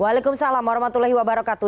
waalaikumsalam warahmatullahi wabarakatuh